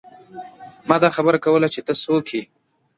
ما دا خبره کوله چې ته څوک يې ۔